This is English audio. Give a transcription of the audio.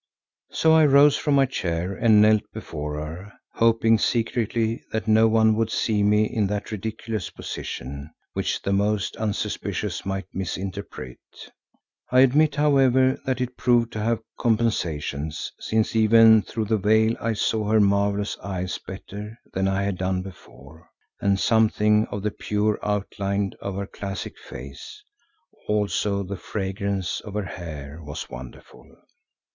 So I rose from my chair and knelt before her, hoping secretly that no one would see me in that ridiculous position, which the most unsuspicious might misinterpret. I admit, however, that it proved to have compensations, since even through the veil I saw her marvellous eyes better than I had done before, and something of the pure outline of her classic face; also the fragrance of her hair was wonderful.